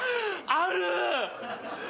ある！